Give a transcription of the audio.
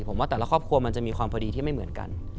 ผมว่าแต่ละครอบครัวมันจะมีความพอดีที่ไม่เหมือนกัน